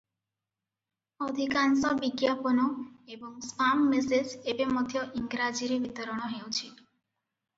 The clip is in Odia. ଅଧିକାଂଶ ବିଜ୍ଞାପନ ଏବଂ ସ୍ପାମ ମେସେଜ ଏବେ ମଧ୍ୟ ଇଂରାଜୀରେ ବିତରଣ ହେଉଛି ।